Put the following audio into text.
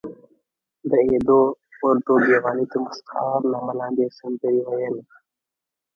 د اېډوارډو ګیواني تر مستعار نامه لاندې یې سندرې ویلې.